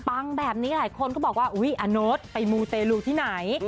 แบบนี้หลายคนก็บอกว่าอุ๊ยอาโน๊ตไปมูเตลูที่ไหน